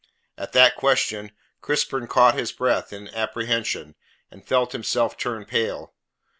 At that question Crispin caught his breath in apprehension, and felt himself turn pale.